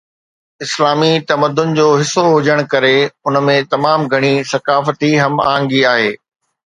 اسلامي تمدن جو حصو هجڻ ڪري ان ۾ تمام گهڻي ثقافتي هم آهنگي آهي